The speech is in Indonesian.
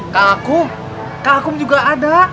kak akum kak akum juga ada